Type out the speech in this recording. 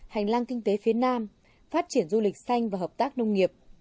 hành lang kinh tế phía nam phát triển du lịch xanh và hợp tác nông nghiệp